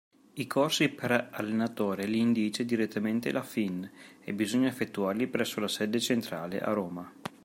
I corsi per allenatore li indice direttamente la FIN e bisogna effettuarli presso la sede centrale, a Roma.